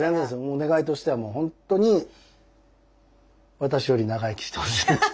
お願いとしてはもう本当に私より長生きしてほしいです。